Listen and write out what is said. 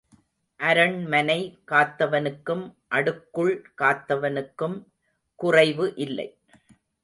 அரண்மனை காத்தவனுக்கும் அடுக்குள் காத்தவனுக்கும் குறைவு இல்லை.